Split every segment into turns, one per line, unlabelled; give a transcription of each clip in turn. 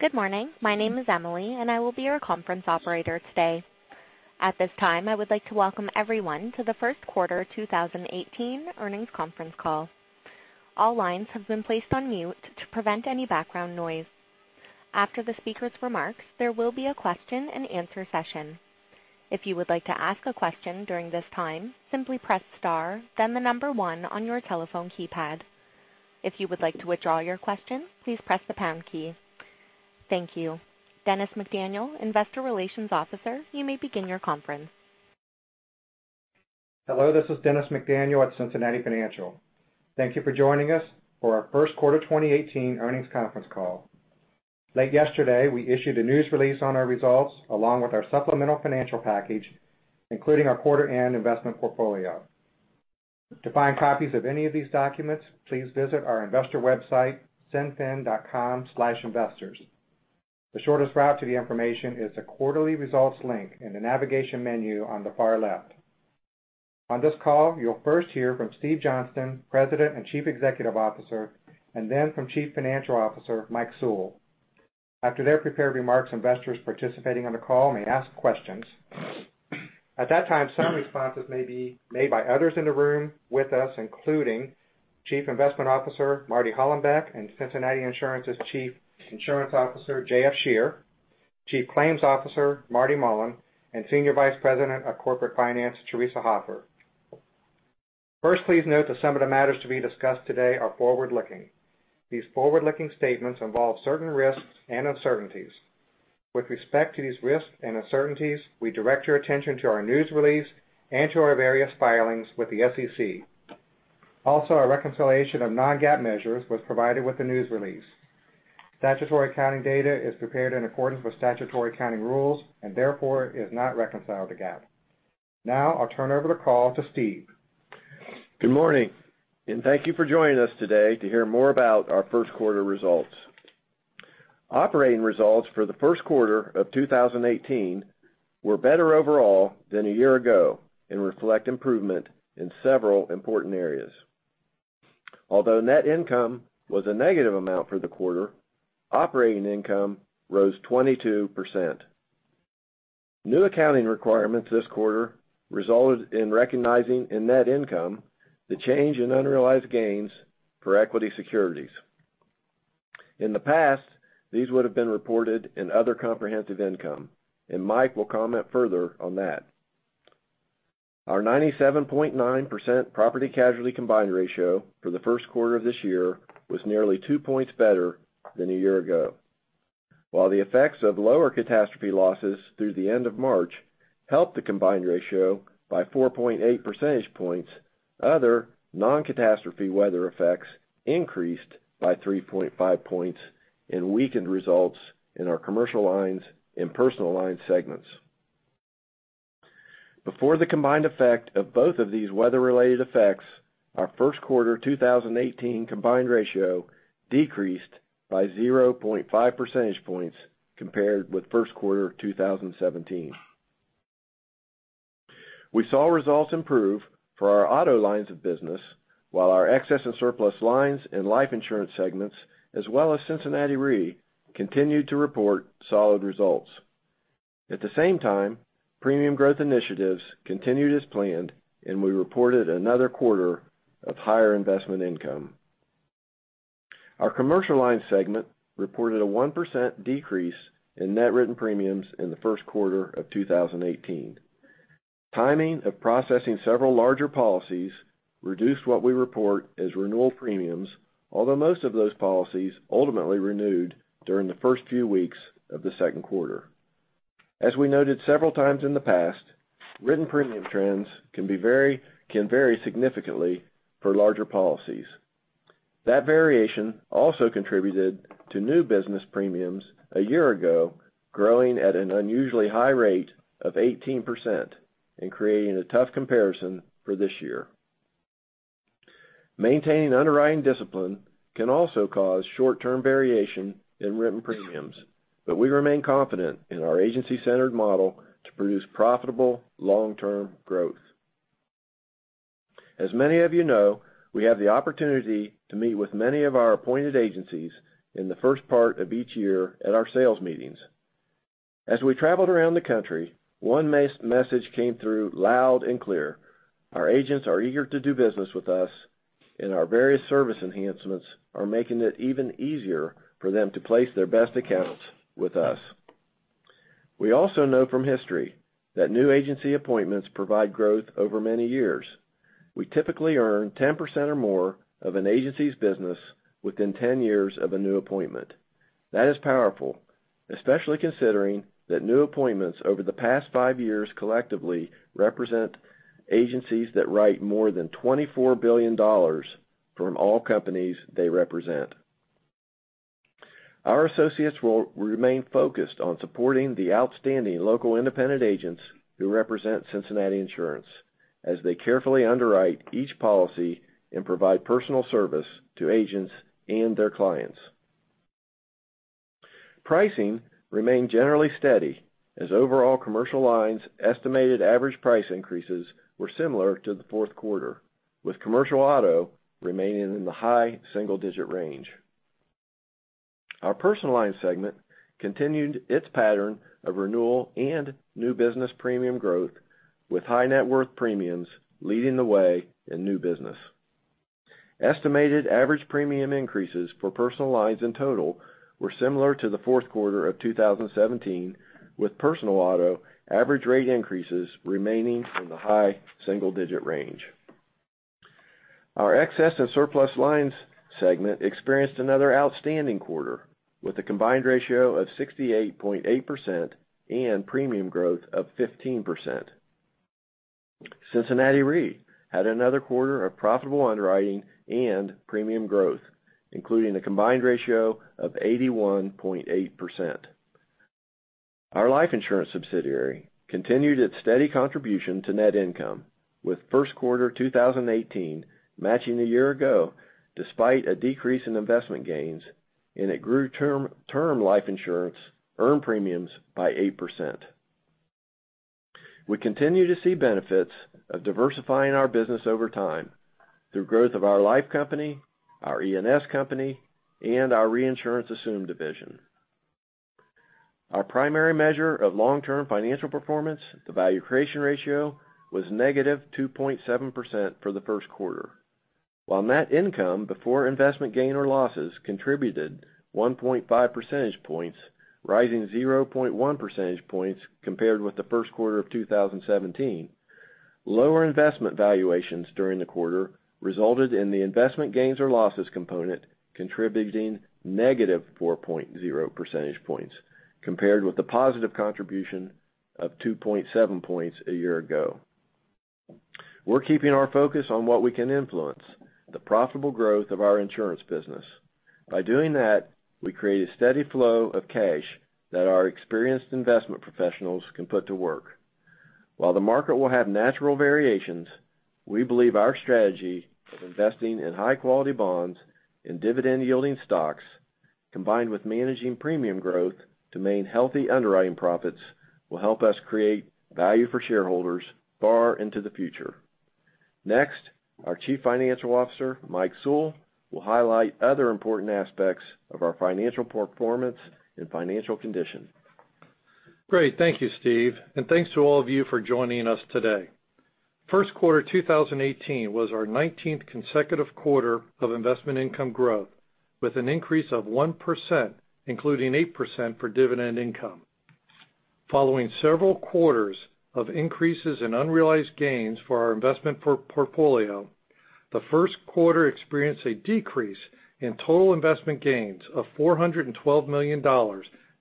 Good morning. My name is Emily, and I will be your conference operator today. At this time, I would like to welcome everyone to the first quarter 2018 earnings conference call. All lines have been placed on mute to prevent any background noise. After the speaker's remarks, there will be a question and answer session. If you would like to ask a question during this time, simply press star, then 1 on your telephone keypad. If you would like to withdraw your question, please press the pound key. Thank you. Dennis McDaniel, Investor Relations Officer, you may begin your conference.
Hello, this is Dennis McDaniel at Cincinnati Financial. Thank you for joining us for our first quarter 2018 earnings conference call. Late yesterday, we issued a news release on our results, along with our supplemental financial package, including our quarter-end investment portfolio. To find copies of any of these documents, please visit our investor website, cinfin.com/investors. The shortest route to the information is the quarterly results link in the navigation menu on the far left. On this call, you'll first hear from Steve Johnston, President and Chief Executive Officer, and then from Chief Financial Officer, Mike Sewell. After their prepared remarks, investors participating on the call may ask questions. At that time, some responses may be made by others in the room with us, including Chief Investment Officer Marty Hollenbeck and Cincinnati Insurance's Chief Insurance Officer, J.F. Scherer, Chief Claims Officer Marty Mullen, and Senior Vice President of Corporate Finance, Theresa Hopper. First, please note that some of the matters to be discussed today are forward-looking. These forward-looking statements involve certain risks and uncertainties. With respect to these risks and uncertainties, we direct your attention to our news release and to our various filings with the SEC. Also, our reconciliation of non-GAAP measures was provided with the news release. Statutory accounting data is prepared in accordance with statutory accounting rules, and therefore, is not reconciled to GAAP. I'll turn over the call to Steve.
Good morning. Thank you for joining us today to hear more about our first quarter results. Operating results for the first quarter of 2018 were better overall than a year ago and reflect improvement in several important areas. Although net income was a negative amount for the quarter, operating income rose 22%. New accounting requirements this quarter resulted in recognizing in net income the change in unrealized gains for equity securities. In the past, these would have been reported in other comprehensive income, and Mike will comment further on that. Our 97.9% property casualty combined ratio for the first quarter of this year was nearly two points better than a year ago. While the effects of lower catastrophe losses through the end of March helped the combined ratio by 4.8 percentage points, other non-catastrophe weather effects increased by 3.5 points and weakened results in our commercial lines and personal line segments. Before the combined effect of both of these weather-related effects, our first quarter 2018 combined ratio decreased by 0.5 percentage points compared with first quarter 2017. We saw results improve for our auto lines of business, while our excess and surplus lines and life insurance segments, as well as Cincinnati Re, continued to report solid results. At the same time, premium growth initiatives continued as planned, and we reported another quarter of higher investment income. Our commercial lines segment reported a 1% decrease in net written premiums in the first quarter of 2018. Timing of processing several larger policies reduced what we report as renewal premiums, although most of those policies ultimately renewed during the first few weeks of the second quarter. As we noted several times in the past, written premium trends can vary significantly for larger policies. That variation also contributed to new business premiums a year ago, growing at an unusually high rate of 18% and creating a tough comparison for this year. Maintaining underwriting discipline can also cause short-term variation in written premiums, but we remain confident in our agency-centered model to produce profitable long-term growth. As many of you know, we have the opportunity to meet with many of our appointed agencies in the first part of each year at our sales meetings. As we traveled around the country, one message came through loud and clear. Our agents are eager to do business with us, and our various service enhancements are making it even easier for them to place their best accounts with us. We also know from history that new agency appointments provide growth over many years. We typically earn 10% or more of an agency's business within 10 years of a new appointment. That is powerful, especially considering that new appointments over the past five years collectively represent agencies that write more than $24 billion from all companies they represent. Our associates will remain focused on supporting the outstanding local independent agents who represent Cincinnati Insurance as they carefully underwrite each policy and provide personal service to agents and their clients. Pricing remained generally steady as overall commercial lines estimated average price increases were similar to the fourth quarter, with commercial auto remaining in the high single-digit range. Our personal line segment continued its pattern of renewal and new business premium growth, with high net worth premiums leading the way in new business. Estimated average premium increases for personal lines in total were similar to the fourth quarter of 2017, with personal auto average rate increases remaining in the high single-digit range. Our excess and surplus lines segment experienced another outstanding quarter, with a combined ratio of 68.8% and premium growth of 15%. Cincinnati Re had another quarter of profitable underwriting and premium growth, including a combined ratio of 81.8%. Our life insurance subsidiary continued its steady contribution to net income, with first quarter 2018 matching a year ago, despite a decrease in investment gains, and it grew term life insurance earned premiums by 8%. We continue to see benefits of diversifying our business over time through growth of our life company, our E&S company, and our Cincinnati Re. Our primary measure of long-term financial performance, the value creation ratio, was -2.7% for the first quarter. Net income before investment gain or losses contributed 1.5 percentage points, rising 0.1 percentage points compared with the first quarter of 2017. Lower investment valuations during the quarter resulted in the investment gains or losses component contributing -4.0 percentage points, compared with the positive contribution of 2.7 points a year ago. We're keeping our focus on what we can influence, the profitable growth of our insurance business. By doing that, we create a steady flow of cash that our experienced investment professionals can put to work. The market will have natural variations, we believe our strategy of investing in high-quality bonds and dividend-yielding stocks, combined with managing premium growth to main healthy underwriting profits, will help us create value for shareholders far into the future. Next, our Chief Financial Officer, Mike Sewell, will highlight other important aspects of our financial performance and financial condition.
Great. Thank you, Steve, Thanks to all of you for joining us today. First quarter 2018 was our 19th consecutive quarter of investment income growth, with an increase of 1%, including 8% for dividend income. Following several quarters of increases in unrealized gains for our investment portfolio, the first quarter experienced a decrease in total investment gains of $412 million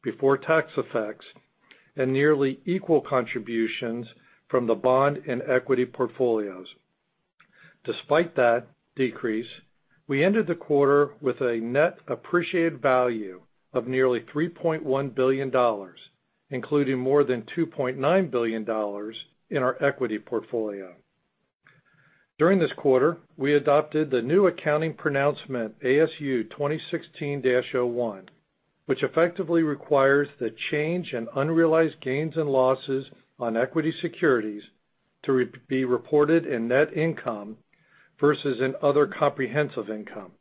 before tax effects, and nearly equal contributions from the bond and equity portfolios. Despite that decrease, we ended the quarter with a net appreciated value of nearly $3.1 billion, including more than $2.9 billion in our equity portfolio. During this quarter, we adopted the new accounting pronouncement, ASU 2016-01, which effectively requires the change in unrealized gains and losses on equity securities to be reported in net income versus in other comprehensive income.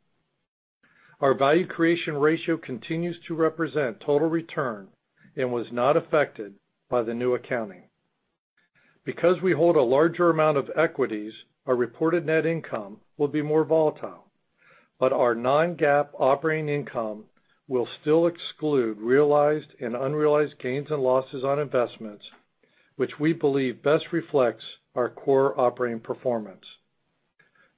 Our value creation ratio continues to represent total return and was not affected by the new accounting. We hold a larger amount of equities, our reported net income will be more volatile, but our non-GAAP operating income will still exclude realized and unrealized gains or losses on investments, which we believe best reflects our core operating performance.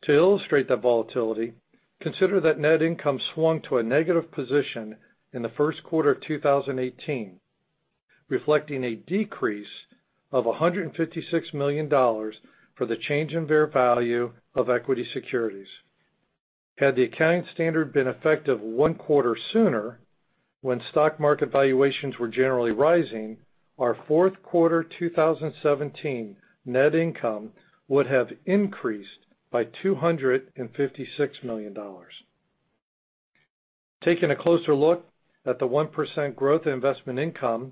To illustrate that volatility, consider that net income swung to a negative position in the first quarter of 2018, reflecting a decrease of $156 million for the change in fair value of equity securities. Had the accounting standard been effective one quarter sooner, when stock market valuations were generally rising, our fourth quarter 2017 net income would have increased by $256 million. Taking a closer look at the 1% growth in investment income,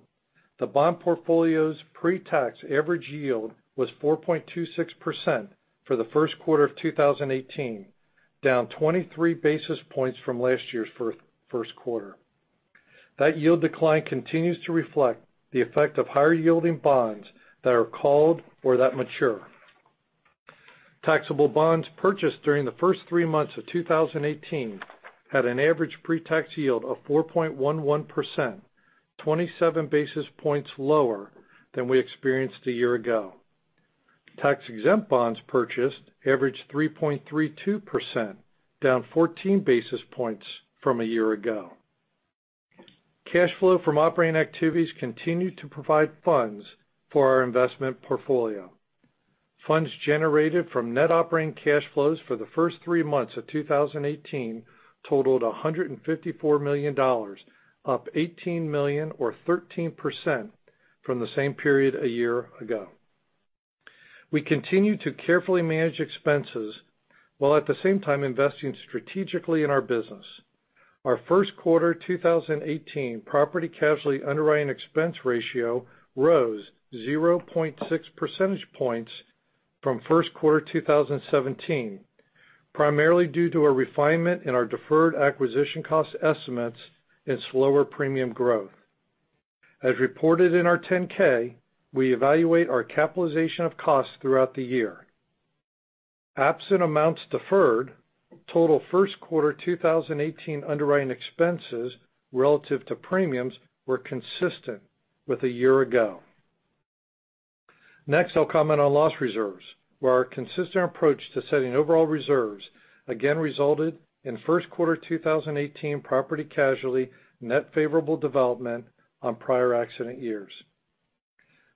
the bond portfolio's pre-tax average yield was 4.26% for the first quarter of 2018, down 23 basis points from last year's first quarter. That yield decline continues to reflect the effect of higher-yielding bonds that are called or that mature. Taxable bonds purchased during the first three months of 2018 had an average pre-tax yield of 4.11%, 27 basis points lower than we experienced a year ago. Tax-exempt bonds purchased averaged 3.32%, down 14 basis points from a year ago. Cash flow from operating activities continued to provide funds for our investment portfolio. Funds generated from net operating cash flows for the first three months of 2018 totaled $154 million, up $18 million or 13% from the same period a year ago. We continue to carefully manage expenses, while at the same time investing strategically in our business. Our first quarter 2018 property casualty underwriting expense ratio rose 0.6 percentage points from first quarter 2017, primarily due to a refinement in our deferred acquisition cost estimates and slower premium growth. As reported in our 10-K, we evaluate our capitalization of costs throughout the year. Absent amounts deferred, total first quarter 2018 underwriting expenses relative to premiums were consistent with a year ago. Next, I'll comment on loss reserves, where our consistent approach to setting overall reserves again resulted in first quarter 2018 property casualty net favorable development on prior accident years.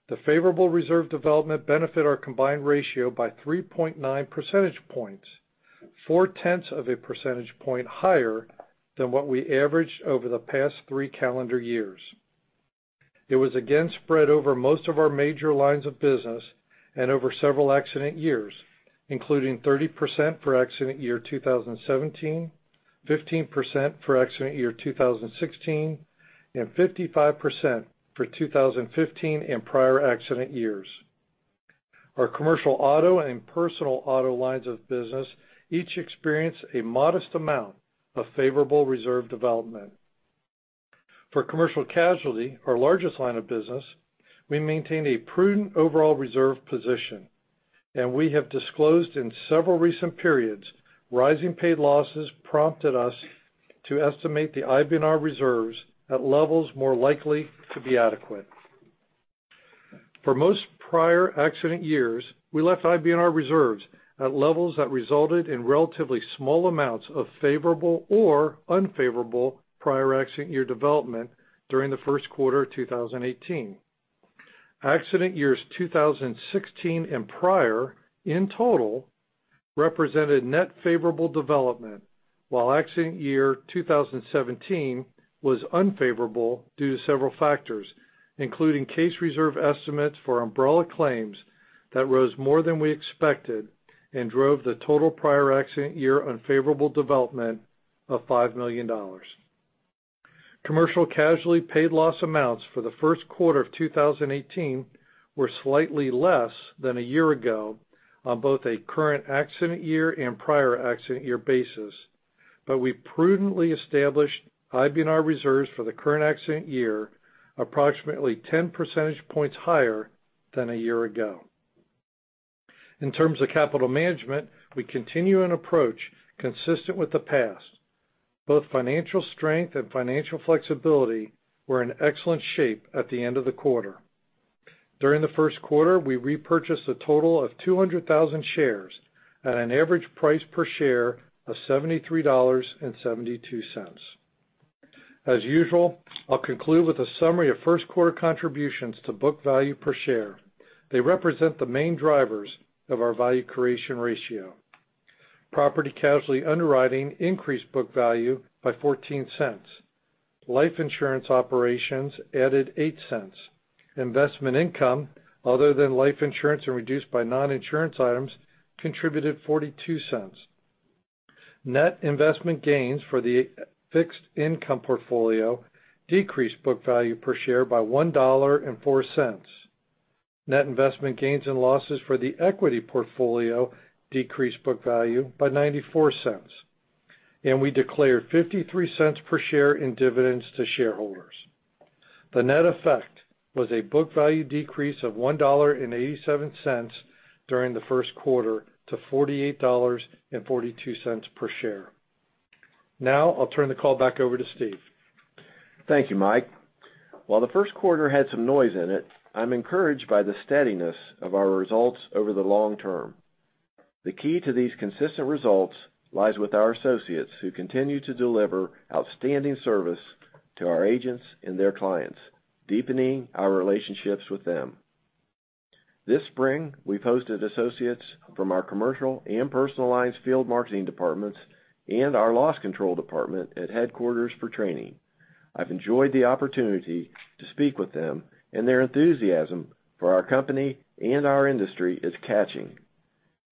The favorable reserve development benefit our combined ratio by 3.9 percentage points, four-tenths of a percentage point higher than what we averaged over the past three calendar years. It was again spread over most of our major lines of business and over several accident years, including 30% for accident year 2017, 15% for accident year 2016, and 55% for 2015 and prior accident years. Our commercial auto and personal auto lines of business each experienced a modest amount of favorable reserve development. For commercial casualty, our largest line of business, we maintain a prudent overall reserve position, and we have disclosed in several recent periods, rising paid losses prompted us to estimate the IBNR reserves at levels more likely to be adequate. For most prior accident years, we left IBNR reserves at levels that resulted in relatively small amounts of favorable or unfavorable prior accident year development during the first quarter 2018. Accident years 2016 and prior in total represented net favorable development, while accident year 2017 was unfavorable due to several factors, including case reserve estimates for umbrella claims that rose more than we expected and drove the total prior accident year unfavorable development of $5 million. Commercial casualty paid loss amounts for the first quarter of 2018 were slightly less than a year ago on both a current accident year and prior accident year basis, but we prudently established IBNR reserves for the current accident year approximately 10 percentage points higher than a year ago. In terms of capital management, we continue an approach consistent with the past. Both financial strength and financial flexibility were in excellent shape at the end of the quarter. During the first quarter, we repurchased a total of 200,000 shares at an average price per share of $73.72. As usual, I'll conclude with a summary of first quarter contributions to book value per share. They represent the main drivers of our value creation ratio. Property casualty underwriting increased book value by $0.14. Life insurance operations added $0.08. Investment income other than life insurance and reduced by non-insurance items contributed $0.42. Net investment gains for the fixed income portfolio decreased book value per share by $1.04. Net investment gains and losses for the equity portfolio decreased book value by $0.94, and we declared $0.53 per share in dividends to shareholders. The net effect was a book value decrease of $1.87 during the first quarter to $48.42 per share. Now I'll turn the call back over to Steve.
Thank you, Mike. While the first quarter had some noise in it, I'm encouraged by the steadiness of our results over the long term. The key to these consistent results lies with our associates, who continue to deliver outstanding service to our agents and their clients, deepening our relationships with them. This spring, we've hosted associates from our commercial and personal lines field marketing departments and our loss control department at headquarters for training. I've enjoyed the opportunity to speak with them, and their enthusiasm for our company and our industry is catching.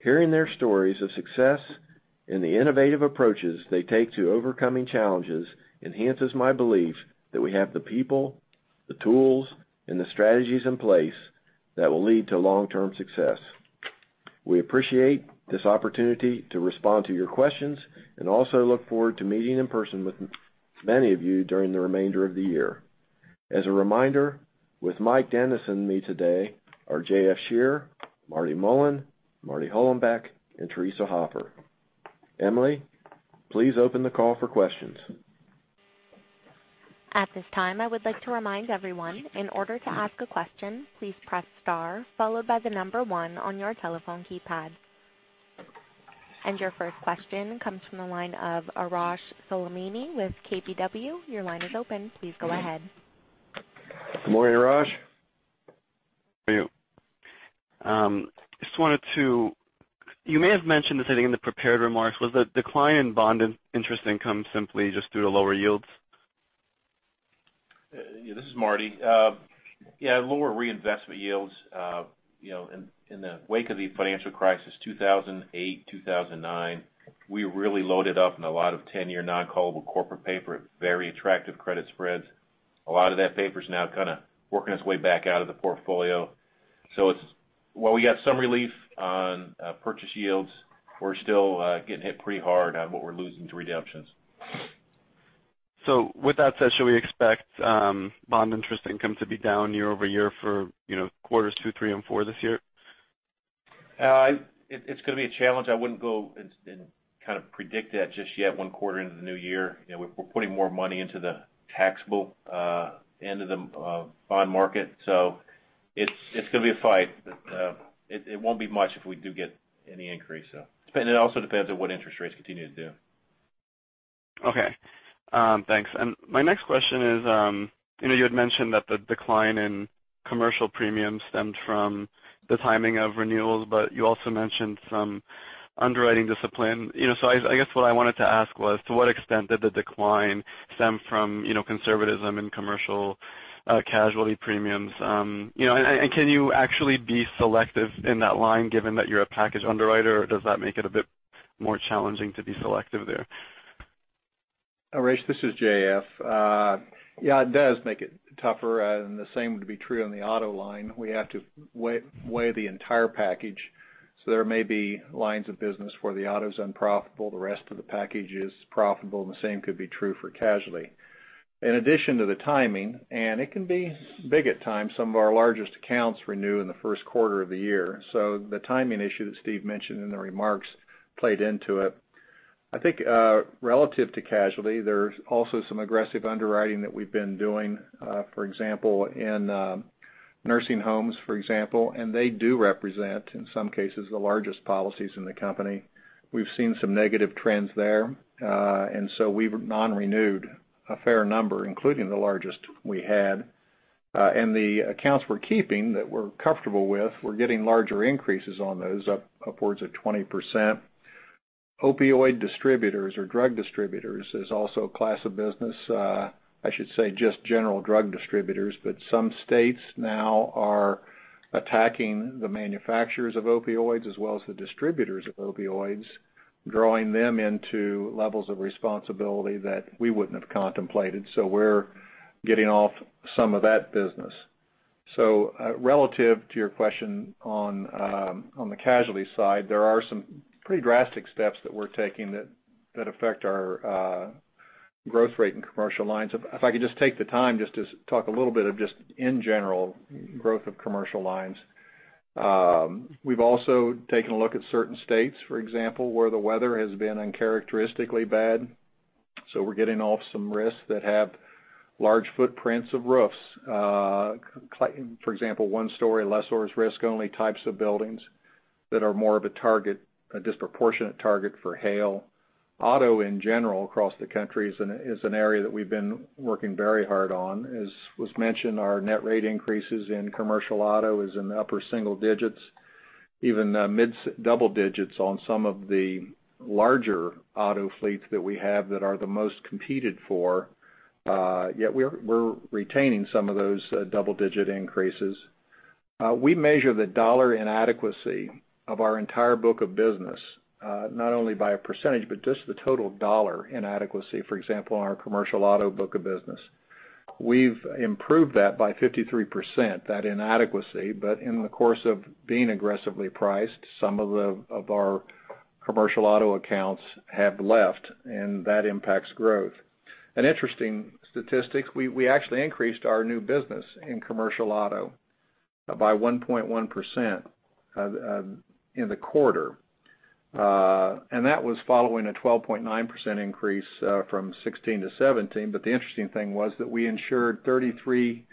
Hearing their stories of success and the innovative approaches they take to overcoming challenges enhances my belief that we have the people, the tools, and the strategies in place that will lead to long-term success. We appreciate this opportunity to respond to your questions and also look forward to meeting in person with many of you during the remainder of the year. As a reminder, with Mike Sewell and me today are J.F. Scherer, Marty Mullen, Marty Hollenbeck, and Theresa Hopper. Emily, please open the call for questions.
At this time, I would like to remind everyone, in order to ask a question, please press star followed by the number 1 on your telephone keypad. Your first question comes from the line of Arash Soleimani with KBW. Your line is open. Please go ahead.
Morning, Arash.
For you.
You may have mentioned this, I think, in the prepared remarks. Was the decline in bond interest income simply just due to lower yields?
This is Marty. Yeah, lower reinvestment yields. In the wake of the financial crisis 2008, 2009, we really loaded up in a lot of 10-year non-callable corporate paper at very attractive credit spreads. A lot of that paper is now kind of working its way back out of the portfolio. While we got some relief on purchase yields, we're still getting hit pretty hard on what we're losing to redemptions.
With that said, should we expect bond interest income to be down year-over-year for quarters two, three, and four this year?
It's going to be a challenge. I wouldn't go and kind of predict that just yet, one quarter into the new year. We're putting more money into the taxable end of the bond market. It's going to be a fight. It won't be much if we do get any increase, though. It also depends on what interest rates continue to do.
Okay. Thanks. My next question is, you had mentioned that the decline in commercial premiums stemmed from the timing of renewals, you also mentioned some underwriting discipline. I guess what I wanted to ask was, to what extent did the decline stem from conservatism in commercial casualty premiums? Can you actually be selective in that line given that you're a package underwriter, or does that make it a bit more challenging to be selective there?
Arash, this is J.F. Yeah, it does make it tougher, the same would be true on the auto line. We have to weigh the entire package. There may be lines of business where the auto's unprofitable, the rest of the package is profitable, the same could be true for casualty. In addition to the timing, it can be big at times, some of our largest accounts renew in the first quarter of the year. The timing issue that Steve mentioned in the remarks played into it. I think relative to casualty, there's also some aggressive underwriting that we've been doing. For example, in nursing homes, for example, they do represent, in some cases, the largest policies in the company. We've seen some negative trends there. We've non-renewed a fair number, including the largest we had. The accounts we're keeping that we're comfortable with, we're getting larger increases on those, upwards of 20%. opioid distributors or drug distributors is also a class of business. I should say just general drug distributors, but some states now are attacking the manufacturers of opioids as well as the distributors of opioids, drawing them into levels of responsibility that we wouldn't have contemplated. We're getting off some of that business. Relative to your question on the casualty side, there are some pretty drastic steps that we're taking that affect our growth rate in commercial lines. If I could just take the time just to talk a little bit of just in general growth of commercial lines. We've also taken a look at certain states, for example, where the weather has been uncharacteristically bad. We're getting off some risks that have large footprints of roofs. For example, one story lessors risk only types of buildings that are more of a disproportionate target for hail. Auto in general across the country is an area that we've been working very hard on. As was mentioned, our net rate increases in commercial auto is in the upper single digits, even mid double digits on some of the larger auto fleets that we have that are the most competed for. Yet we're retaining some of those double digit increases. We measure the dollar inadequacy of our entire book of business, not only by a percentage, but just the total dollar inadequacy, for example, on our commercial auto book of business. We've improved that by 53%, that inadequacy. In the course of being aggressively priced, some of our commercial auto accounts have left, and that impacts growth. An interesting statistic, we actually increased our new business in commercial auto by 1.1% in the quarter. That was following a 12.9% increase from 2016 to 2017. The interesting thing was that we insured 33%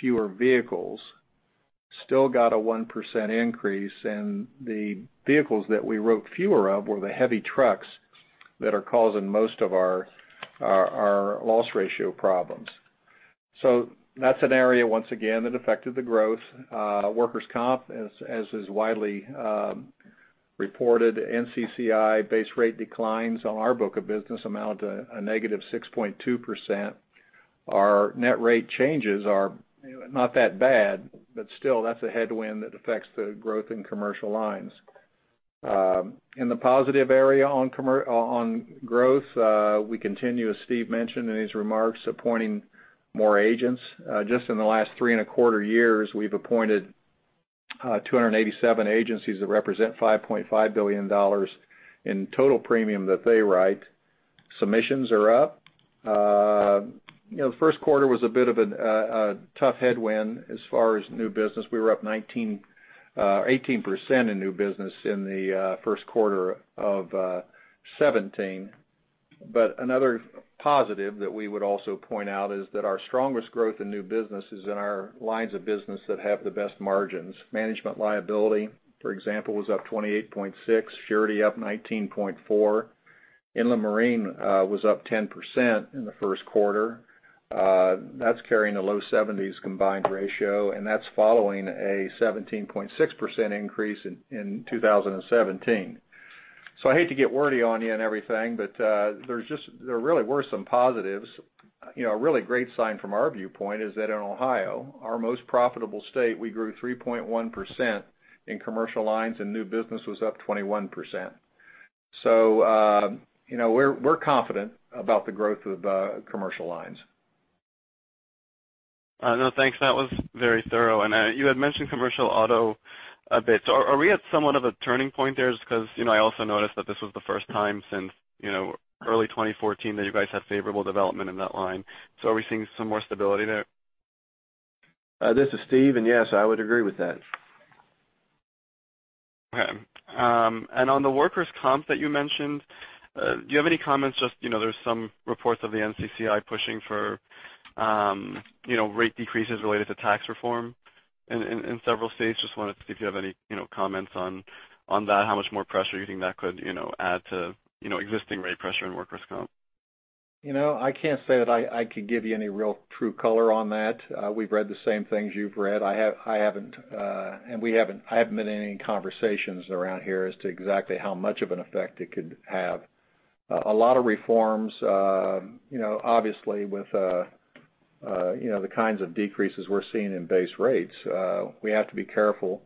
fewer vehicles, still got a 1% increase, and the vehicles that we wrote fewer of were the heavy trucks that are causing most of our loss ratio problems. That's an area, once again, that affected the growth. Workers' comp, as is widely reported, NCCI base rate declines on our book of business amount to a negative 6.2%. Our net rate changes are not that bad, but still that's a headwind that affects the growth in commercial lines. In the positive area on growth, we continue, as Steve mentioned in his remarks, appointing more agents. Just in the last three and a quarter years, we've appointed 287 agencies that represent $5.5 billion in total premium that they write. Submissions are up. The first quarter was a bit of a tough headwind as far as new business. We were up 18% in new business in the first quarter of 2017. Another positive that we would also point out is that our strongest growth in new business is in our lines of business that have the best margins. Management liability, for example, was up 28.6%, surety up 19.4%. Inland marine was up 10% in the first quarter. That's carrying a low 70s combined ratio, and that's following a 17.6% increase in 2017. I hate to get wordy on you and everything, but there really were some positives. A really great sign from our viewpoint is that in Ohio, our most profitable state, we grew 3.1% in commercial lines and new business was up 21%. We're confident about the growth of commercial lines.
No, thanks. That was very thorough. You had mentioned commercial auto a bit. Are we at somewhat of a turning point there? Just because I also noticed that this was the first time since early 2014 that you guys had favorable development in that line. Are we seeing some more stability there?
This is Steve, yes, I would agree with that.
Okay. On the workers' comp that you mentioned, do you have any comments, just there's some reports of the NCCI pushing for rate decreases related to tax reform in several states. Just wanted to see if you have any comments on that, how much more pressure you think that could add to existing rate pressure in workers' comp.
I can't say that I could give you any real true color on that. We've read the same things you've read. I haven't been in any conversations around here as to exactly how much of an effect it could have. A lot of reforms, obviously with the kinds of decreases we're seeing in base rates, we have to be careful.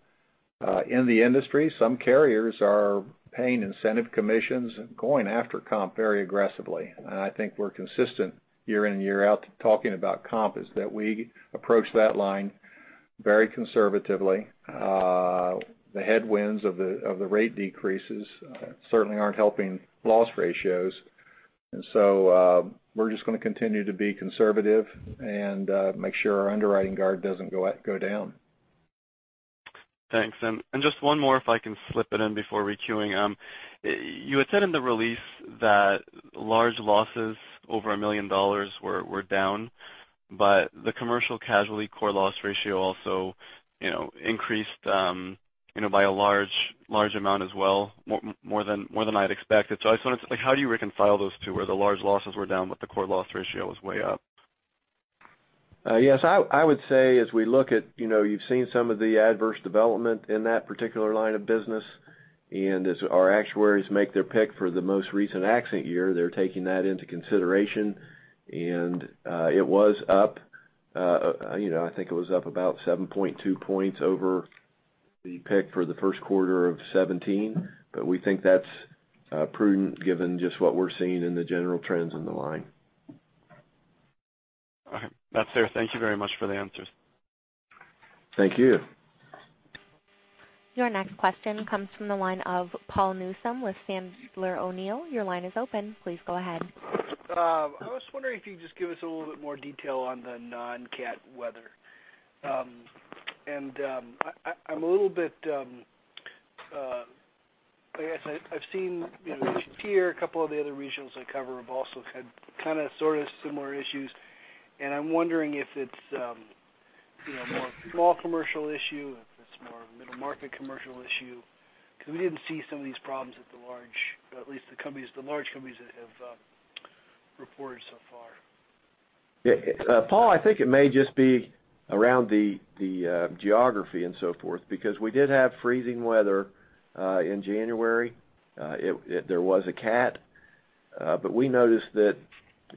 In the industry, some carriers are paying incentive commissions and going after comp very aggressively. I think we're consistent year in and year out talking about comp is that we approach that line very conservatively. The headwinds of the rate decreases certainly aren't helping loss ratios. We're just going to continue to be conservative and make sure our underwriting guard doesn't go down.
Thanks. Just one more if I can slip it in before requeuing. You had said in the release that large losses over $1 million were down, but the commercial casualty core loss ratio also increased by a large amount as well, more than I'd expected. I just wondered, how do you reconcile those two, where the large losses were down, but the core loss ratio was way up?
Yes, I would say as we look at, you've seen some of the adverse development in that particular line of business, as our actuaries make their pick for the most recent accident year, they're taking that into consideration. It was up, I think it was up about 7.2 points over the pick for the first quarter of 2017. We think that's prudent given just what we're seeing in the general trends in the line.
Okay. That's fair. Thank you very much for the answers.
Thank you.
Your next question comes from the line of Paul Newsome with Sandler O'Neill. Your line is open. Please go ahead.
I was wondering if you could just give us a little bit more detail on the non-cat weather. I guess I've seen issues here. A couple of the other regionals I cover have also had kind of sort of similar issues, and I'm wondering if it's more of a small commercial issue, if it's more of a middle market commercial issue, because we didn't see some of these problems at the large, at least the large companies that have reported so far.
Paul, I think it may just be around the geography and so forth because we did have freezing weather in January. There was a cat, we noticed that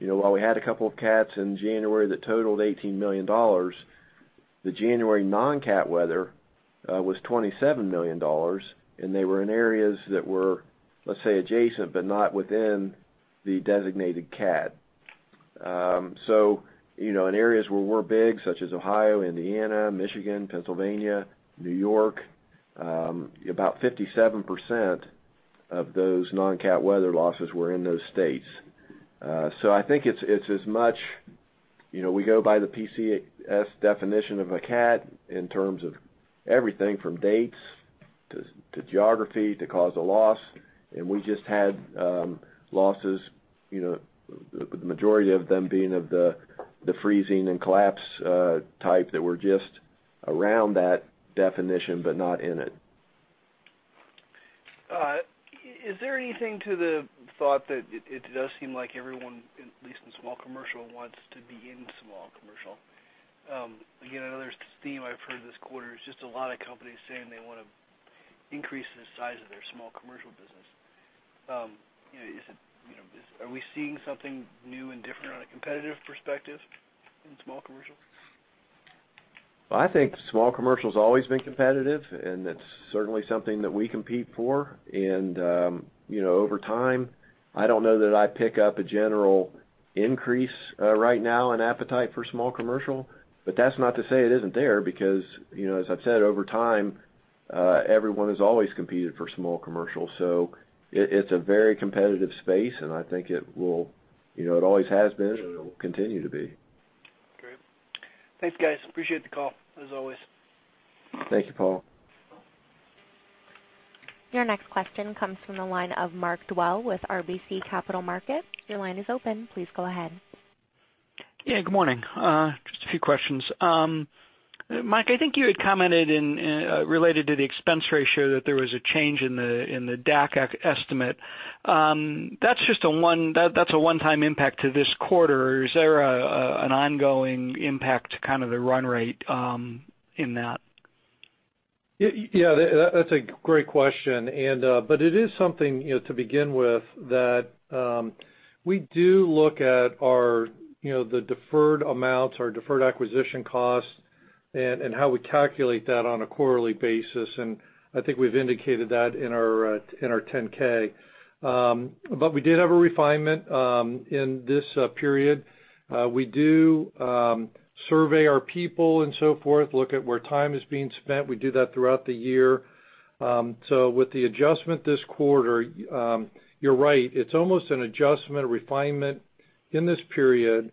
while we had a couple of cats in January that totaled $18 million, the January non-cat weather was $27 million, and they were in areas that were, let's say, adjacent, but not within the designated cat. In areas where we're big, such as Ohio, Indiana, Michigan, Pennsylvania, New York, about 57% of those non-cat weather losses were in those states. I think it's as much we go by the PCS definition of a cat in terms of everything from dates to geography to cause of loss, and we just had losses, the majority of them being of the freezing and collapse type that were just around that definition, but not in it.
Is there anything to the thought that it does seem like everyone, at least in small commercial, wants to be in small commercial? Again, another theme I've heard this quarter is just a lot of companies saying they want to increase the size of their small commercial business. Are we seeing something new and different on a competitive perspective in small commercial?
I think small commercial's always been competitive, and it's certainly something that we compete for. Over time, I don't know that I pick up a general increase right now in appetite for small commercial. That's not to say it isn't there because, as I've said, over time, everyone has always competed for small commercial. It's a very competitive space, and I think it always has been, and it will continue to be.
Great. Thanks, guys. Appreciate the call as always.
Thank you, Paul.
Your next question comes from the line of Mark Dwelle with RBC Capital Markets. Your line is open. Please go ahead.
Yeah, good morning. Just a few questions. Mike, I think you had commented related to the expense ratio that there was a change in the DAC estimate. That's a one-time impact to this quarter, or is there an ongoing impact to kind of the run rate in that?
Yeah. That's a great question. It is something, to begin with, that we do look at the deferred amounts or deferred acquisition costs and how we calculate that on a quarterly basis, and I think we've indicated that in our 10-K. We did have a refinement in this period. We do survey our people and so forth, look at where time is being spent. We do that throughout the year. With the adjustment this quarter, you're right, it's almost an adjustment refinement in this period.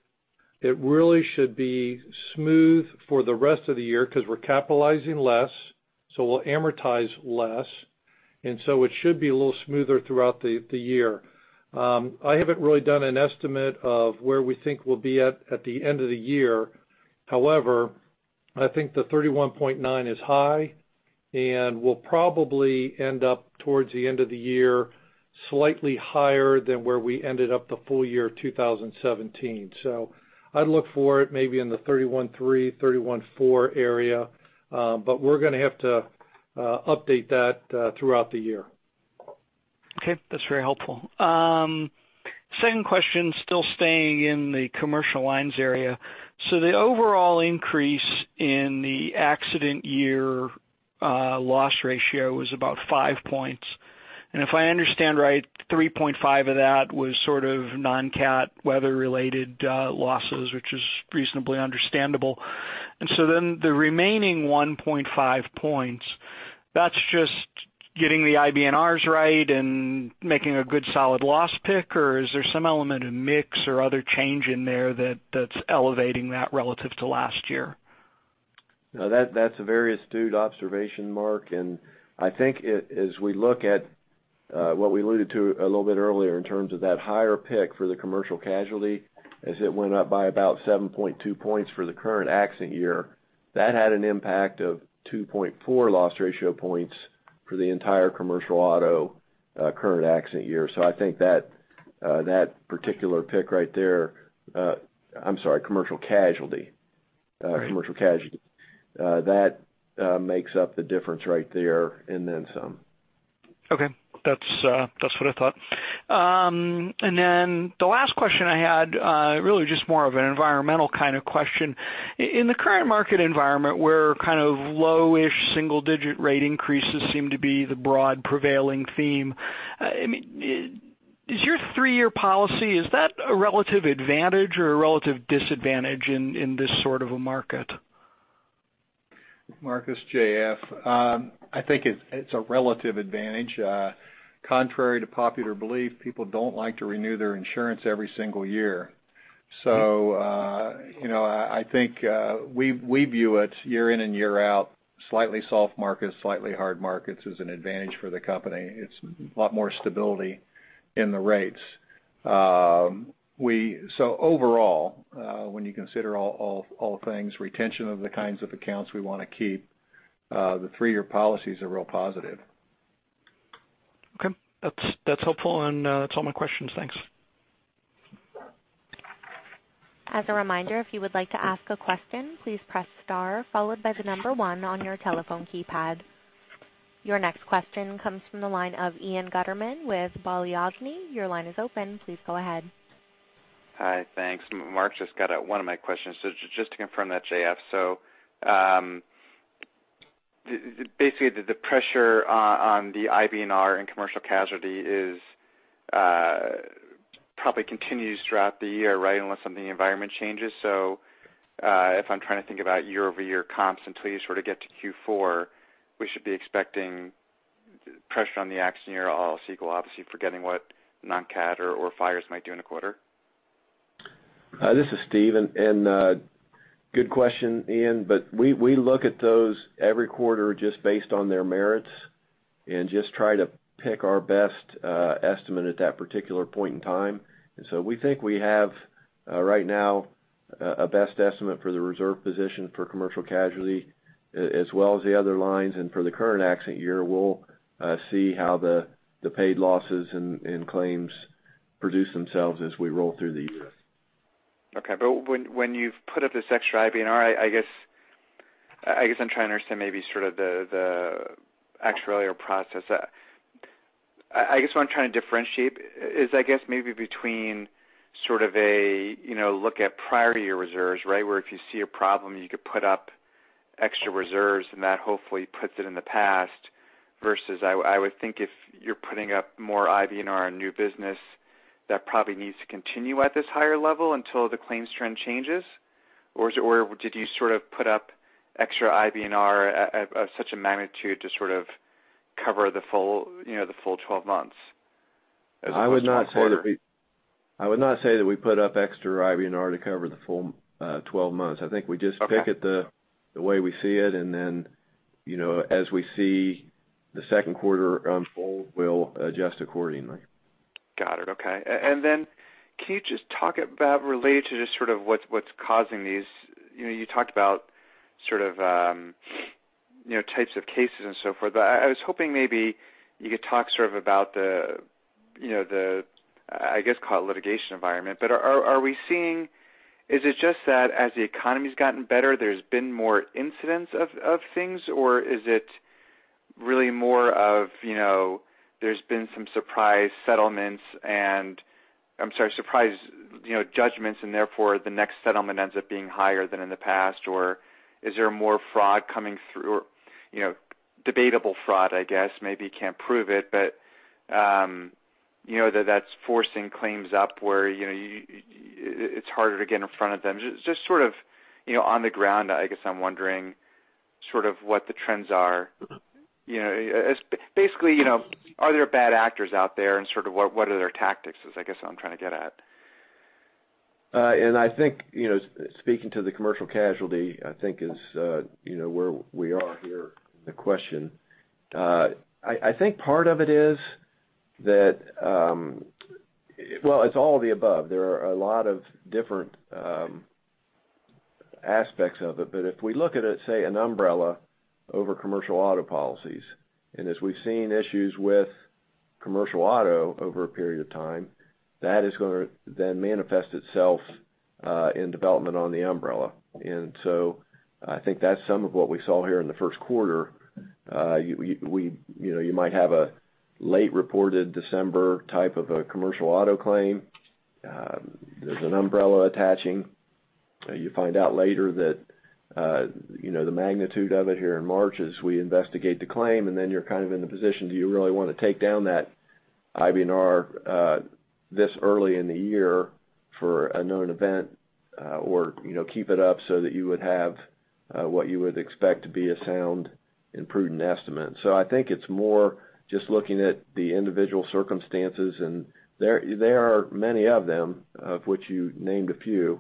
It really should be smooth for the rest of the year because we're capitalizing less, so we'll amortize less. It should be a little smoother throughout the year. I haven't really done an estimate of where we think we'll be at the end of the year. However, I think the 31.9 is high, and we'll probably end up towards the end of the year slightly higher than where we ended up the full year 2017. I'd look for it maybe in the 31.3, 31.4 area. We're going to have to update that throughout the year.
Okay. That's very helpful. Second question, still staying in the commercial lines area. The overall increase in the accident year loss ratio was about five points. If I understand right, 3.5 of that was sort of non-CAT weather related losses, which is reasonably understandable. The remaining 1.5 points, that's just getting the IBNRs right and making a good solid loss pick, or is there some element of mix or other change in there that's elevating that relative to last year?
No, that's a very astute observation, Mark. I think as we look at what we alluded to a little bit earlier in terms of that higher pick for the commercial casualty as it went up by about 7.2 points for the current accident year, that had an impact of 2.4 loss ratio points for the entire commercial auto current accident year. I think that particular pick right there. I'm sorry, commercial casualty.
Right.
Commercial casualty. That makes up the difference right there, and then some.
Okay. That's what I thought. The last question I had, really just more of an environmental kind of question. In the current market environment where kind of lowish single digit rate increases seem to be the broad prevailing theme, is your three-year policy, is that a relative advantage or a relative disadvantage in this sort of a market?
Mark, it's J.F. I think it's a relative advantage. Contrary to popular belief, people don't like to renew their insurance every single year. I think we view it year in and year out, slightly soft markets, slightly hard markets as an advantage for the company. It's a lot more stability in the rates. Overall, when you consider all things, retention of the kinds of accounts we want to keep, the three-year policy is a real positive.
Okay. That's helpful, that's all my questions. Thanks.
As a reminder, if you would like to ask a question, please press star followed by the number one on your telephone keypad. Your next question comes from the line of Ian Gutterman with Balyasny. Your line is open. Please go ahead.
Hi. Thanks. Mark just got one of my questions. Just to confirm that, J.F., basically the pressure on the IBNR in commercial casualty probably continues throughout the year, right? Unless something in the environment changes. If I'm trying to think about year-over-year comps until you sort of get to Q4, we should be expecting pressure on the accident year all sequel, obviously forgetting what non-CAT or fires might do in a quarter?
This is Steve, and good question, Ian, but we look at those every quarter just based on their merits and just try to pick our best estimate at that particular point in time. So we think we have right now a best estimate for the reserve position for commercial casualty as well as the other lines. For the current accident year, we'll see how the paid losses and claims produce themselves as we roll through the year.
Okay. When you've put up this extra IBNR, I guess I'm trying to understand maybe sort of the actuarial process. I guess what I'm trying to differentiate is maybe between sort of a look at prior year reserves, right? Where if you see a problem, you could put up extra reserves and that hopefully puts it in the past versus I would think if you're putting up more IBNR in new business, that probably needs to continue at this higher level until the claims trend changes. Did you sort of put up extra IBNR of such a magnitude to sort of cover the full 12 months as opposed to one quarter?
I would not say that we put up extra IBNR to cover the full 12 months. I think we just pick it-
Okay
The way we see it, as we see the second quarter unfold, we'll adjust accordingly.
Got it. Okay. Can you just talk about related to just sort of what's causing these? You talked about sort of types of cases and so forth. I was hoping maybe you could talk sort of about the, I guess, call it litigation environment. Are we seeing, is it just that as the economy's gotten better, there's been more incidents of things? Or is it really more of, there's been some surprise judgments, and therefore the next settlement ends up being higher than in the past? Or is there more fraud coming through or debatable fraud, I guess, maybe you can't prove it, but that's forcing claims up where it's harder to get in front of them? Just sort of on the ground, I guess I'm wondering sort of what the trends are. Basically, are there bad actors out there and sort of what are their tactics, is I guess what I'm trying to get at.
I think, speaking to the commercial casualty, I think is where we are here in the question. I think part of it is that well, it's all of the above. There are a lot of different aspects of it. If we look at, let's say, an umbrella over commercial auto policies, as we've seen issues with commercial auto over a period of time, that is going to then manifest itself in development on the umbrella. So I think that's some of what we saw here in the first quarter. You might have a late reported December type of a commercial auto claim. There's an umbrella attaching. You find out later that the magnitude of it here in March as we investigate the claim, you're kind of in the position, do you really want to take down that IBNR this early in the year for a known event, or keep it up so that you would have what you would expect to be a sound and prudent estimate. I think it's more just looking at the individual circumstances, and there are many of them, of which you named a few.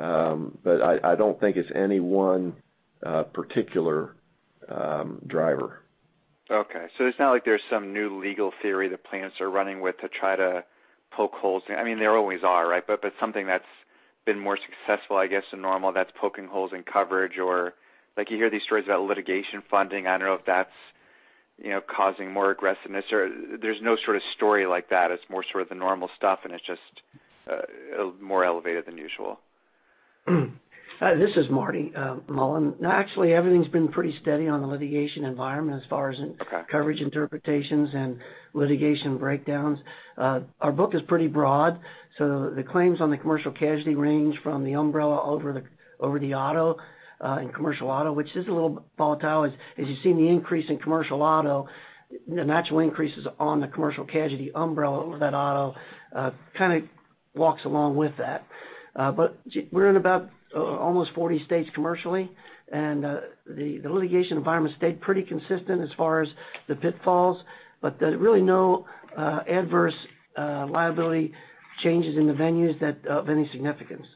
I don't think it's any one particular driver.
Okay. It's not like there's some new legal theory that plaintiffs are running with to try to poke holes. I mean, there always are, right? Something that's been more successful, I guess, than normal that's poking holes in coverage or like you hear these stories about litigation funding. I don't know if that's causing more aggressiveness or there's no sort of story like that. It's more sort of the normal stuff, and it's just more elevated than usual.
This is Marty Mullen. No, actually, everything's been pretty steady on the litigation environment as far as coverage interpretations and litigation breakdowns. Our book is pretty broad, the claims on the commercial casualty range from the umbrella over the auto, and commercial auto, which is a little volatile. As you've seen the increase in commercial auto, natural increases on the commercial casualty umbrella over that auto kind of walks along with that. We're in about almost 40 states commercially, and the litigation environment stayed pretty consistent as far as the pitfalls, but really no adverse liability changes in the venues of any significance.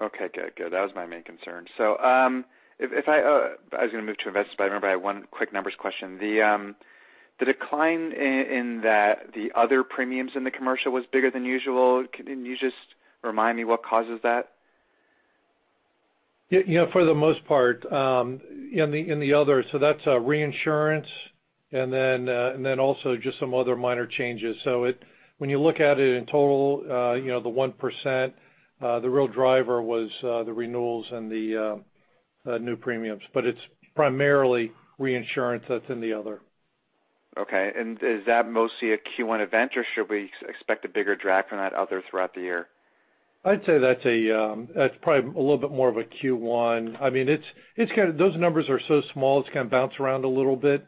Okay. Good. That was my main concern. I was going to move to investment, but I remember I had one quick numbers question. The decline in the other premiums in the commercial was bigger than usual. Can you just remind me what causes that?
For the most part, in the other, that's reinsurance and also just some other minor changes. When you look at it in total, the 1%, the real driver was the renewals and the new premiums, but it's primarily reinsurance that's in the other.
Is that mostly a Q1 event, or should we expect a bigger drag from that other throughout the year?
I'd say that's probably a little bit more of a Q1. I mean, those numbers are so small, it's going to bounce around a little bit.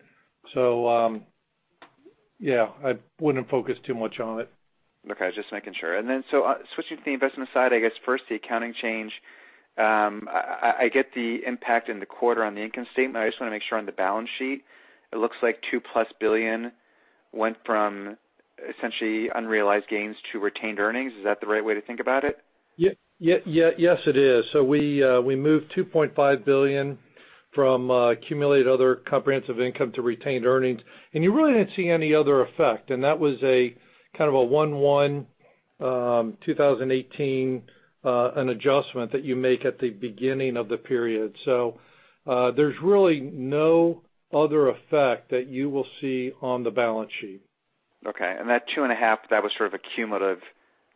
Yeah, I wouldn't focus too much on it.
Okay, just making sure. Switching to the investment side, I guess first, the accounting change. I get the impact in the quarter on the income statement. I just want to make sure on the balance sheet, it looks like $2-plus billion went from essentially unrealized gains to retained earnings. Is that the right way to think about it?
Yes, it is. We moved $2.5 billion from accumulated other comprehensive income to retained earnings, and you really didn't see any other effect. That was a kind of a one one, 2018 an adjustment that you make at the beginning of the period. There's really no other effect that you will see on the balance sheet.
Okay, that two and a half, that was sort of a cumulative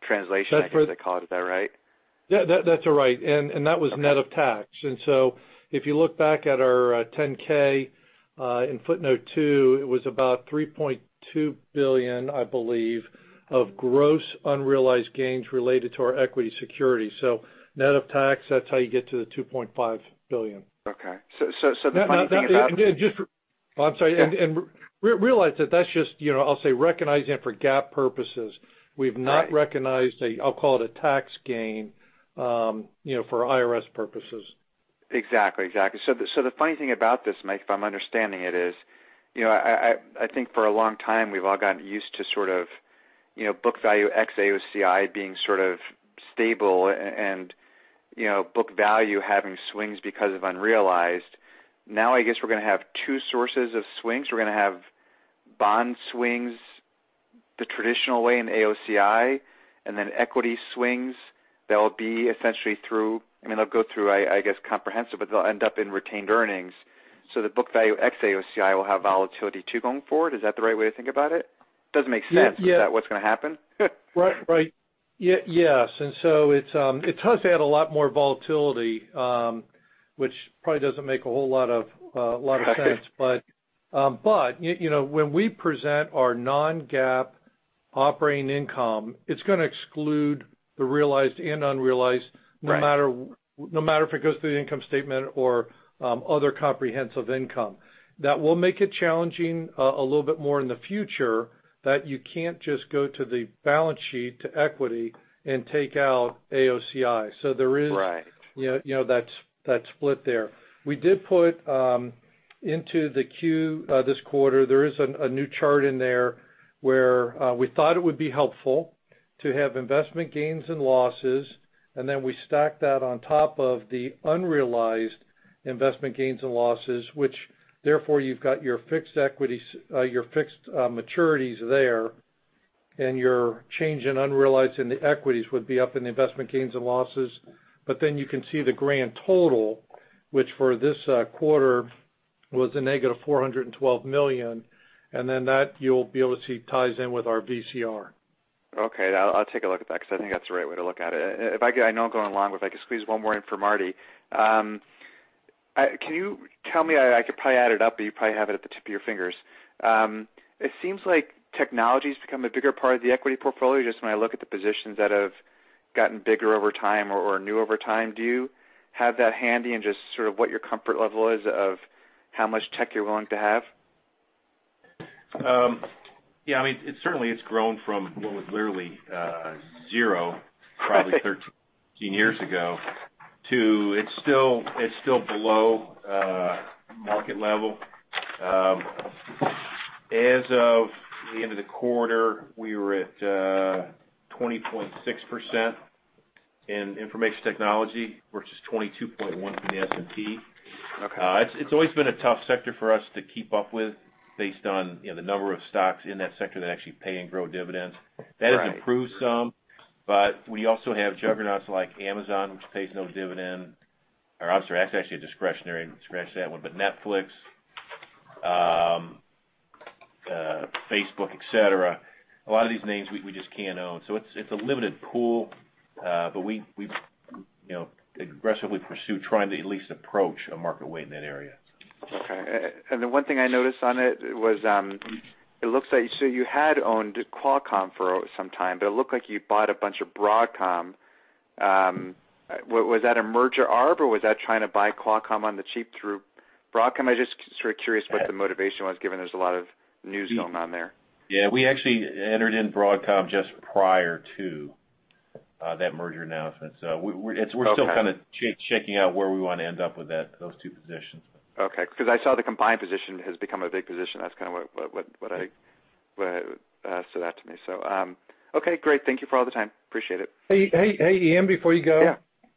translation, I guess they call it. Is that right?
Yeah. That's right. That was net of tax. If you look back at our 10-K, in footnote 2, it was about $3.2 billion, I believe, of gross unrealized gains related to our equity security. Net of tax, that's how you get to the $2.5 billion.
Okay. The funny thing about.
Oh, I'm sorry.
Yeah.
realize that that's just, I'll say, recognizing it for GAAP purposes.
Right.
We've not recognized a, I'll call it a tax gain, for IRS purposes.
Exactly. The funny thing about this, Mike, if I'm understanding it, is I think for a long time we've all gotten used to sort of book value ex AOCI being sort of stable and book value having swings because of unrealized. Now I guess we're going to have two sources of swings. We're going to have bond swings the traditional way in AOCI, and then equity swings that'll be essentially I mean, they'll go through, I guess, comprehensive, but they'll end up in retained earnings. The book value ex-AOCI will have volatility too going forward. Is that the right way to think about it? Doesn't make sense.
Yeah.
Is that what's going to happen?
Right. Yes. It does add a lot more volatility, which probably doesn't make a whole lot of sense.
Okay.
When we present our non-GAAP operating income, it's going to exclude the realized and unrealized-
Right
no matter if it goes through the income statement or other comprehensive income. That will make it challenging a little bit more in the future, that you can't just go to the balance sheet to equity and take out AOCI. There is-
Right
that split there. We did put into the Q this quarter, there is a new chart in there where we thought it would be helpful to have investment gains and losses, and then we stacked that on top of the unrealized investment gains and losses, which therefore you've got your fixed maturities there, and your change in unrealized in the equities would be up in the investment gains and losses. You can see the grand total, which for this quarter was a negative $412 million, and then that you'll be able to see ties in with our VCR.
Okay. I'll take a look at that because I think that's the right way to look at it. I know I'm going long, but if I could squeeze one more in for Marty. Can you tell me, I could probably add it up, but you probably have it at the tip of your fingers. It seems like technology's become a bigger part of the equity portfolio, just when I look at the positions that have gotten bigger over time or are new over time. Do you have that handy and just sort of what your comfort level is of how much tech you're willing to have?
Yeah. It certainly it's grown from what was literally zero probably 13 years ago to it's still below market level. As of the end of the quarter, we were at 20.6% in information technology, versus 22.1 from the S&P.
Okay.
It's always been a tough sector for us to keep up with based on the number of stocks in that sector that actually pay and grow dividends.
Right.
That has improved some, but we also have juggernauts like Amazon, which pays no dividend. I'm sorry, that's actually a discretionary. Scratch that one. Netflix, Facebook, et cetera. A lot of these names we just can't own. It's a limited pool. We aggressively pursue trying to at least approach a market weight in that area.
Okay. The one thing I noticed on it was, it looks like, you had owned Qualcomm for some time, it looked like you bought a bunch of Broadcom. Was that a merger arb or was that trying to buy Qualcomm on the cheap through Broadcom? I just sort of curious what the motivation was, given there's a lot of news going on there.
Yeah. We actually entered in Broadcom just prior to that merger announcement. We're still kind of checking out where we want to end up with those two positions.
Okay. I saw the combined position has become a big position. That's kind of what stood out to me. Okay, great. Thank you for all the time. Appreciate it.
Hey, Ian, before you go.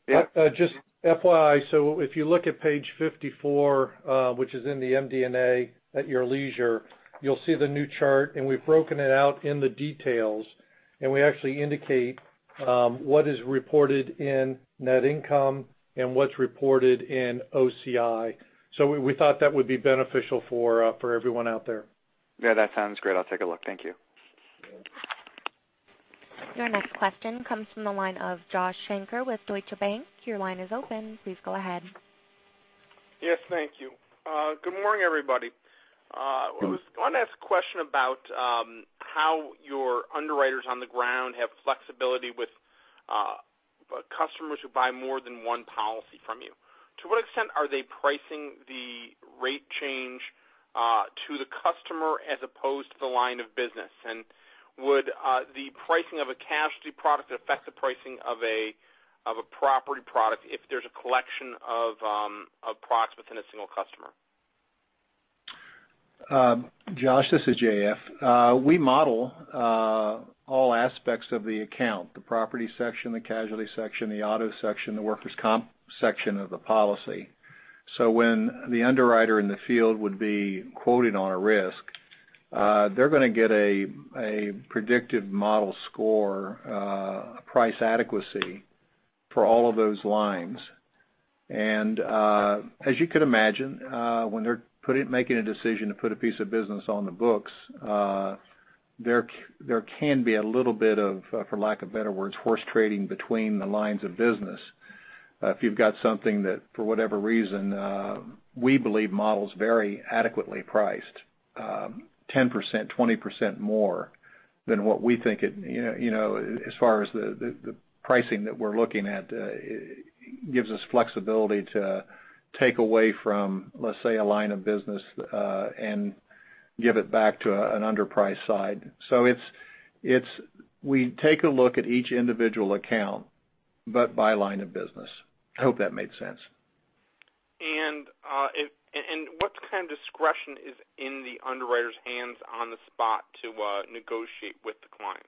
Yeah.
Just FYI, if you look at page 54, which is in the MD&A at your leisure, you'll see the new chart, and we've broken it out in the details, and we actually indicate what is reported in net income and what's reported in OCI. We thought that would be beneficial for everyone out there.
Yeah, that sounds great. I'll take a look. Thank you.
Your next question comes from the line of Josh Shanker with Deutsche Bank. Your line is open. Please go ahead.
Yes, thank you. Good morning, everybody. I was going to ask a question about how your underwriters on the ground have flexibility with customers who buy more than one policy from you. To what extent are they pricing the rate change to the customer as opposed to the line of business? Would the pricing of a casualty product affect the pricing of a property product if there's a collection of products within a single customer?
Josh, this is J.F. We model all aspects of the account, the property section, the casualty section, the auto section, the workers' comp section of the policy. When the underwriter in the field would be quoting on a risk, they're going to get a predicted model score, price adequacy for all of those lines. As you could imagine, when they're making a decision to put a piece of business on the books, there can be a little bit of, for lack of better words, horse trading between the lines of business. If you've got something that, for whatever reason, we believe models very adequately priced 10%, 20% more than what we think as far as the pricing that we're looking at, gives us flexibility to take away from, let's say, a line of business, and give it back to an underpriced side.
We take a look at each individual account, but by line of business. I hope that made sense.
What kind of discretion is in the underwriter's hands on the spot to negotiate with the client?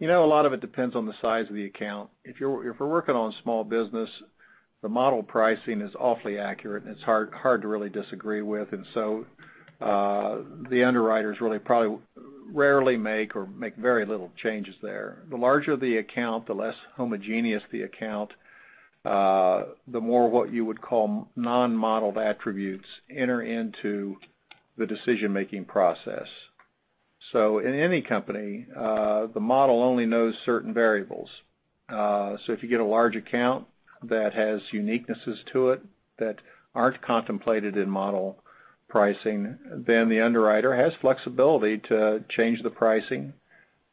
A lot of it depends on the size of the account. If we're working on a small business, the model pricing is awfully accurate and it's hard to really disagree with. The underwriters really probably rarely make very little changes there. The larger the account, the less homogeneous the account, the more what you would call non-modeled attributes enter into the decision-making process. In any company, the model only knows certain variables. If you get a large account that has uniquenesses to it that aren't contemplated in model pricing, then the underwriter has flexibility to change the pricing,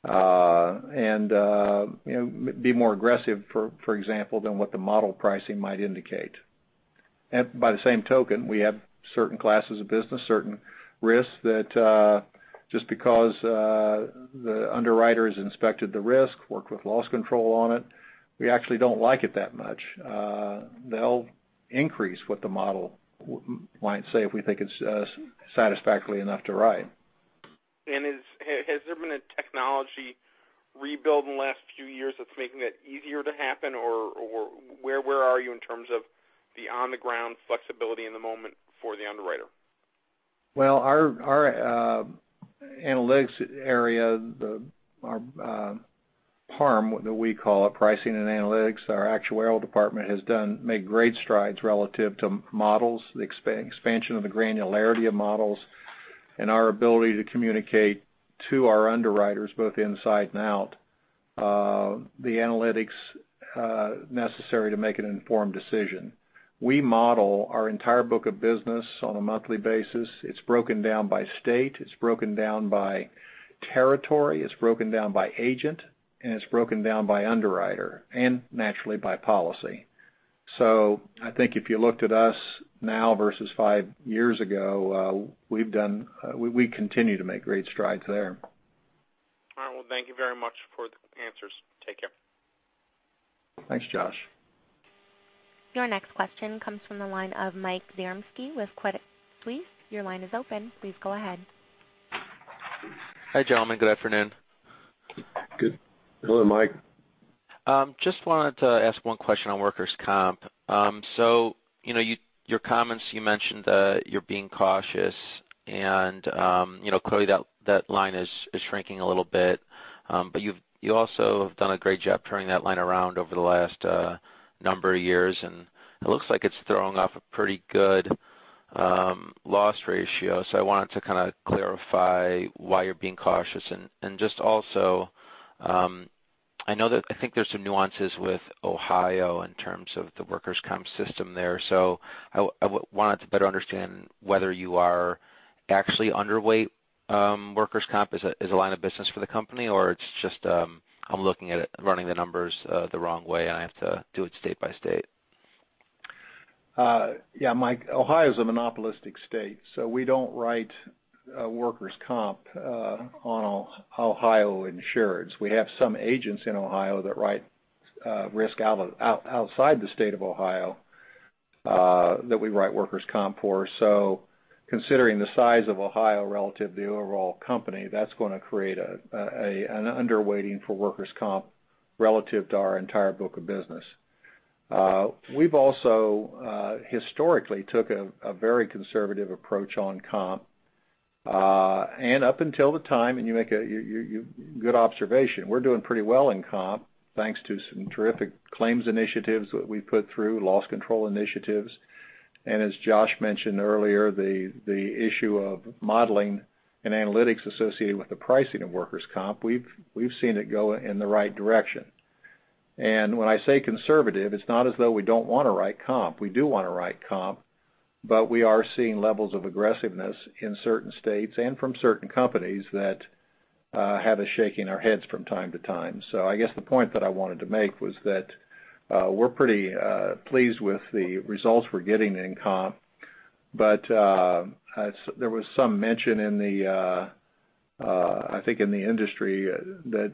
and be more aggressive, for example, than what the model pricing might indicate. By the same token, we have certain classes of business, certain risks, that just because the underwriter has inspected the risk, worked with loss control on it, we actually don't like it that much. They'll increase what the model might say if we think it's satisfactorily enough to write.
Has there been a technology rebuild in the last few years that's making it easier to happen, or where are you in terms of the on-the-ground flexibility in the moment for the underwriter?
Well, our analytics area, our PARM, we call it, pricing and analytics, our actuarial department has made great strides relative to models, the expansion of the granularity of models, and our ability to communicate to our underwriters, both inside and out, the analytics necessary to make an informed decision. We model our entire book of business on a monthly basis. It's broken down by state, it's broken down by territory, it's broken down by agent, and it's broken down by underwriter, and naturally, by policy. I think if you looked at us now versus five years ago, we continue to make great strides there.
All right. Well, thank you very much for the answers. Take care.
Thanks, Josh.
Your next question comes from the line of Mike Zaremski with Credit Suisse. Your line is open. Please go ahead.
Hi, gentlemen. Good afternoon.
Good.
Hello, Mike.
Just wanted to ask one question on workers' comp. Your comments, you mentioned you're being cautious, and clearly that line is shrinking a little bit. You also have done a great job turning that line around over the last number of years, and it looks like it's throwing off a pretty good loss ratio. I wanted to kind of clarify why you're being cautious, and just also, I think there's some nuances with Ohio in terms of the workers' comp system there. I wanted to better understand whether you are actually underweight workers' comp as a line of business for the company, or it's just I'm looking at it, running the numbers the wrong way, and I have to do it state by state?
Yeah, Mike. Ohio's a monopolistic state, so we don't write workers' comp on Ohio insureds. We have some agents in Ohio that write risk outside the state of Ohio that we write workers' comp for. Considering the size of Ohio relative to the overall company, that's going to create an underweighting for workers' comp relative to our entire book of business. We've also historically took a very conservative approach on comp. Up until the time, and you make a good observation, we're doing pretty well in comp thanks to some terrific claims initiatives that we've put through, loss control initiatives. As Josh mentioned earlier, the issue of modeling and analytics associated with the pricing of workers' comp, we've seen it go in the right direction. When I say conservative, it's not as though we don't want to write comp. We do want to write comp, but we are seeing levels of aggressiveness in certain states and from certain companies that have us shaking our heads from time to time. I guess the point that I wanted to make was that we're pretty pleased with the results we're getting in comp. There was some mention, I think, in the industry that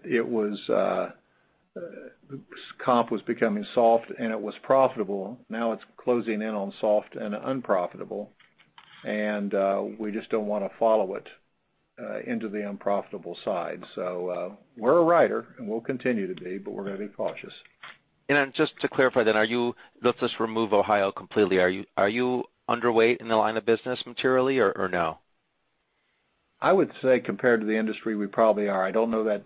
comp was becoming soft and it was profitable. Now it's closing in on soft and unprofitable, and we just don't want to follow it into the unprofitable side. We're a writer, and we'll continue to be, but we're going to be cautious.
Just to clarify then, let's just remove Ohio completely. Are you underweight in the line of business materially or no?
I would say compared to the industry, we probably are. I don't know that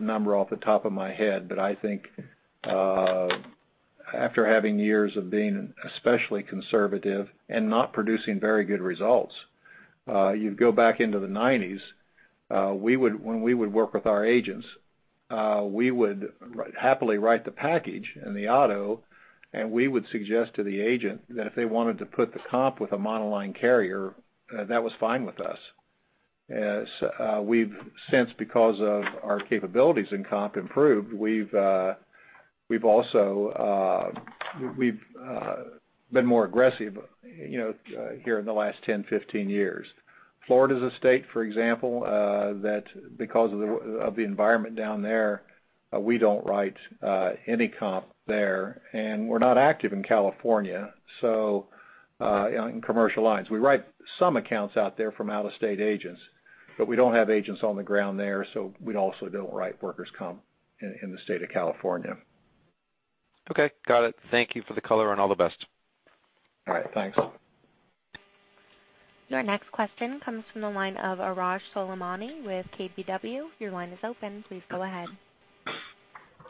number off the top of my head. I think after having years of being especially conservative and not producing very good results, you go back into the '90s, when we would work with our agents, we would happily write the package and the auto, and we would suggest to the agent that if they wanted to put the comp with a monoline carrier, that was fine with us. As we've since, because of our capabilities in comp improved, we've been more aggressive here in the last 10, 15 years. Florida's a state, for example, that because of the environment down there, we don't write any comp there. We're not active in California, in commercial lines. We write some accounts out there from out-of-state agents, we don't have agents on the ground there, we also don't write workers' comp in the state of California.
Okay, got it. Thank you for the color, and all the best.
All right. Thanks.
Your next question comes from the line of Arash Soleimani with KBW. Your line is open. Please go ahead.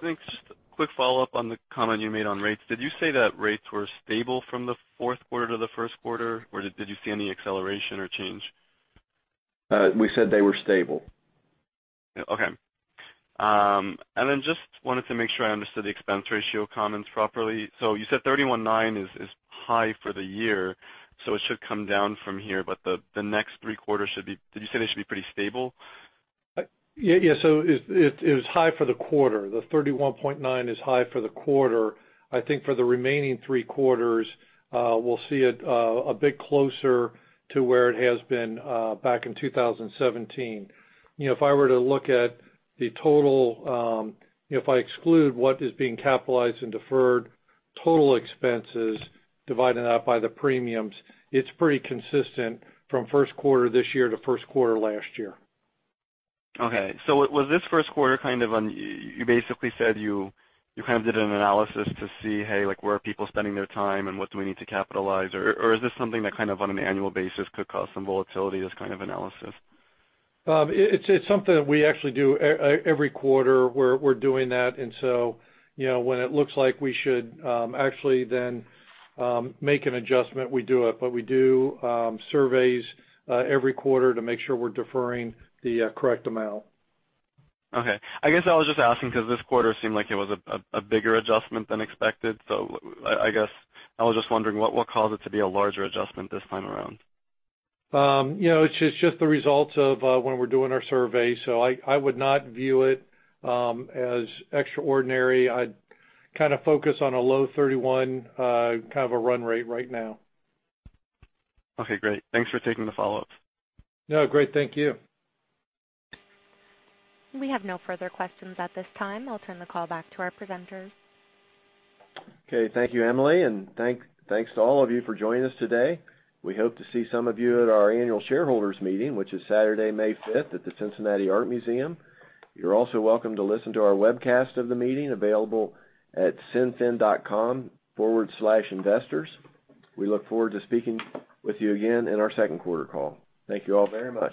Thanks. Just a quick follow-up on the comment you made on rates. Did you say that rates were stable from the fourth quarter to the first quarter, or did you see any acceleration or change?
We said they were stable.
Okay. Just wanted to make sure I understood the expense ratio comments properly. You said 31.9 is high for the year, it should come down from here, but the next three quarters, did you say they should be pretty stable?
It was high for the quarter. The 31.9 is high for the quarter. I think for the remaining three quarters, we'll see it a bit closer to where it has been back in 2017. If I were to look at the total, if I exclude what is being capitalized and deferred, total expenses divided up by the premiums, it's pretty consistent from first quarter this year to first quarter last year.
Okay. Was this first quarter kind of on You basically said you kind of did an analysis to see, hey, where are people spending their time and what do we need to capitalize? Or is this something that kind of on an annual basis could cause some volatility, this kind of analysis?
It's something that we actually do every quarter. We're doing that. When it looks like we should actually then make an adjustment, we do it. We do surveys every quarter to make sure we're deferring the correct amount.
Okay. I guess I was just asking because this quarter seemed like it was a bigger adjustment than expected. I guess I was just wondering, what caused it to be a larger adjustment this time around?
It's just the results of when we're doing our survey. I would not view it as extraordinary. I'd kind of focus on a low 31, kind of a run rate right now.
Okay, great. Thanks for taking the follow-up.
No, great. Thank you.
We have no further questions at this time. I'll turn the call back to our presenters.
Okay. Thank you, Emily. Thanks to all of you for joining us today. We hope to see some of you at our annual shareholders meeting, which is Saturday, May 5th at the Cincinnati Art Museum. You're also welcome to listen to our webcast of the meeting available at cinfin.com/investors. We look forward to speaking with you again in our second quarter call. Thank you all very much.